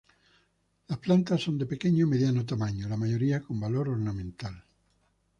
Las plantas son de pequeño o mediano tamaño, la mayoría con valor ornamental.